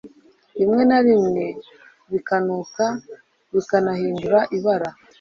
rimwe na rimwe bikanuka bikanahindura ibara,